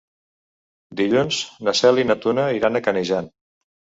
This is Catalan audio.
Dilluns na Cel i na Tura iran a Canejan.